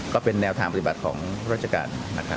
ก็เป็นแนวทางปฏิบัติของรัชการ